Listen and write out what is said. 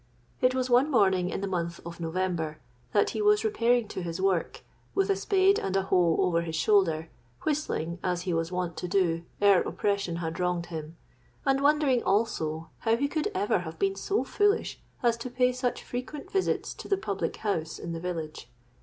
It was one morning in the month of November, that he was repairing to his work, with a spade and a hoe over his shoulder, whistling as he was wont to do ere oppression had wronged him; and wondering, also, how he could ever have been so foolish as to pay such frequent visits to the public house in the village.